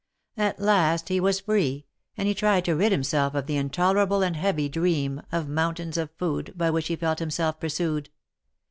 At last he was free, and he tried to rid himself of the intolerable and heavy dream, of mountains of food, by which he felt himself pursued.